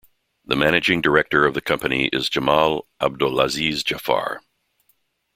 The managing director of the company is Jamal Abdulaziz Jaafar.